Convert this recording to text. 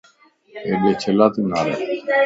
ھيڏي ڇيلاتي نارين؟